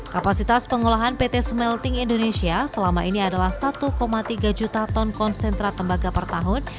kapasitas pengolahan pt smelting indonesia selama ini adalah satu tiga juta ton konsentrat tembaga per tahun